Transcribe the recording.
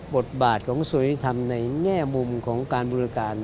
บทบาทของสุริธรรมในแง่มุมของการบริการ